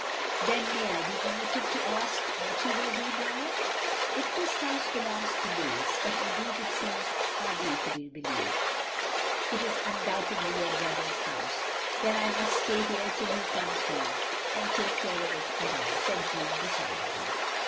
"Then may I be permitted to ask what you will do now?" " If this house belongs to Louis — ^but indeed it seems hardly to be believed "" It is undoubtedly your brother's house. '*" Then I must stay here till he comes home, and take care of it for him, " said Jeanne, decidedly.